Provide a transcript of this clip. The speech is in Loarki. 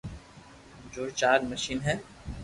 جو چار مݾين ھي